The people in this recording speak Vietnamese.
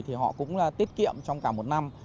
thì họ cũng tiết kiệm trong cả một năm